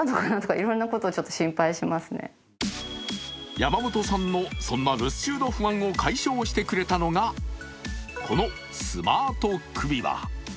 山本さんの、そんな留守中の不安を解消してくれたのがこのスマート首輪。